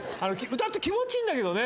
歌って気持ちいいんだけどね。